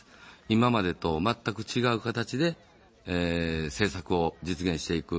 今までと全く違う形で政策を実現していく。